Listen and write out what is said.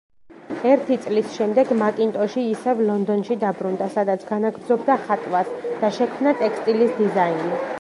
ერთი წლის შემდეგ მაკინტოში ისევ ლონდონში დაბრუნდა, სადაც განაგრძობდა ხატვას და შექმნა ტექსტილის დიზაინი.